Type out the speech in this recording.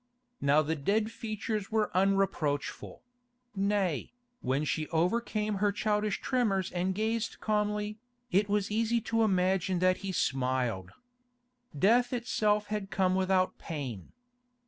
Now the dead features were unreproachful; nay, when she overcame her childish tremors and gazed calmly, it was easy to imagine that he smiled. Death itself had come without pain.